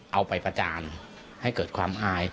ไปประจานให้เกิดความอาย